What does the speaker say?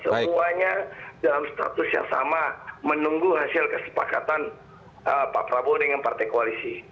semuanya dalam status yang sama menunggu hasil kesepakatan pak prabowo dengan partai koalisi